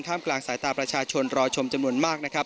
ท่ามกลางสายตาประชาชนรอชมจำนวนมาก